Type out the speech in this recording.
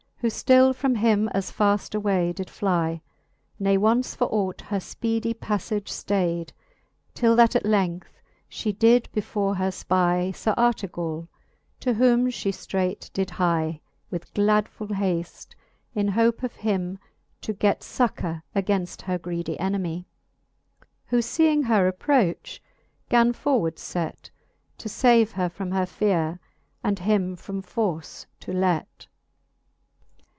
j Who ftill from him as faft away did flie, Ne once for ought her Ipeedy paflage ftayd, Till that at length fhe did before her fpie Sir Artegall^ to whom fhe ftreight did hie With gladfuU haft, in hope of him to get Succour againft her greedy enimy ; Who feeing her approch, gan forward fet, To fave her from her feare, and him from force to let.